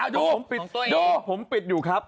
ดูดูผมปิดอยู่ครับ